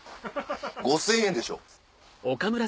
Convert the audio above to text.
５０００円でしょ。